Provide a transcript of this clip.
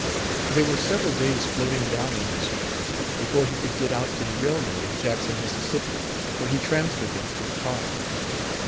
They were several days floating down in this way, before he could get out to the railroad at Jackson, Miss., where he transferred them to the cars.